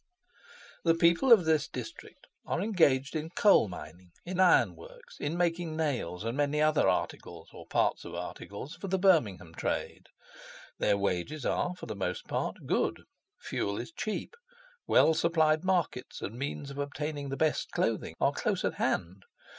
The people of this district are engaged in coal mining, in ironworks, in making nails, and many other articles, or parts of articles, for the Birmingham trade. Their wages are, for the most part, good; fuel is cheap; well supplied markets, and means of obtaining the best clothing are close at hand.